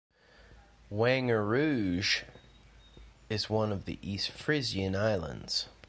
Wangerooge is one of the East Frisian Islands.